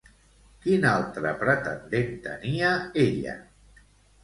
Quin altre pretendent tenia ella?